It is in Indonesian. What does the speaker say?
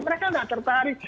mereka gak tertarik